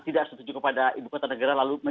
tidak setuju kepada ibu kota negara lalu